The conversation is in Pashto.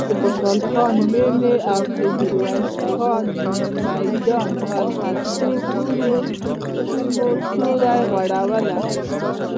د خوشحال خان مېنې او میرویس میدان پر هستوګنو سیمو سیوری غوړولی.